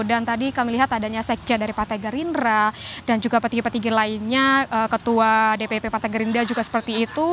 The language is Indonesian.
dan tadi kami lihat adanya sekja dari partai gerindra dan juga petinggi petinggi lainnya ketua dpp partai gerindra juga seperti itu